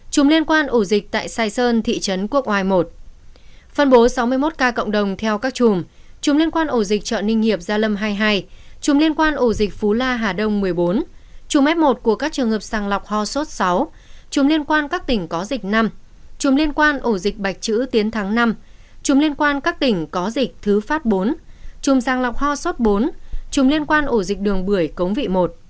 chùm liên quan ổ dịch bạch chữ tiến tháng năm chùm liên quan các tỉnh có dịch thứ pháp bốn chùm giang lọc ho sốt bốn chùm liên quan ổ dịch đường bưởi cống vị một